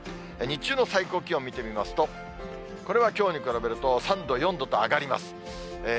日中の最高気温見てみますと、これはきょうに比べると、３度、４度と上がります。